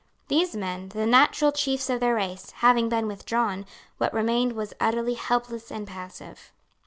These men, the natural chiefs of their race, having been withdrawn, what remained was utterly helpless and passive.